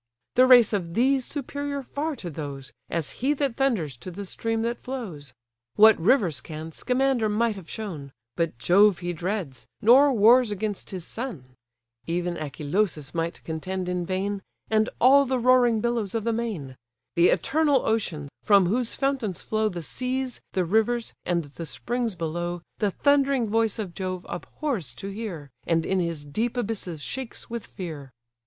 The race of these superior far to those, As he that thunders to the stream that flows. What rivers can, Scamander might have shown; But Jove he dreads, nor wars against his son. Even Achelous might contend in vain, And all the roaring billows of the main. The eternal ocean, from whose fountains flow The seas, the rivers, and the springs below, The thundering voice of Jove abhors to hear, And in his deep abysses shakes with fear."